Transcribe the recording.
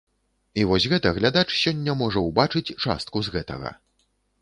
І вось гэта глядач сёння можа ўбачыць частку з гэтага.